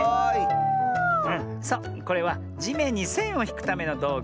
そうこれはじめんにせんをひくためのどうぐ。